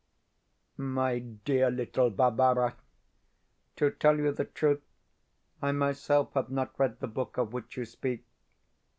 MY DEAR LITTLE BARBARA To tell you the truth, I myself have not read the book of which you speak.